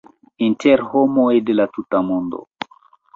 Inter homoj de la tuta mondo